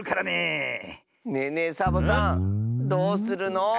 ねえねえサボさんどうするの？